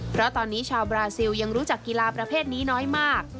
เพราะตอนนี้ชาวบราซิลยังรู้จักกีฬาประเภทนี้น้อยมาก